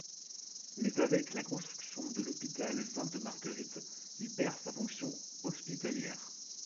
Mais avec la construction de l'hôpital Sainte-Marguerite, il perd sa fonction hospitalière.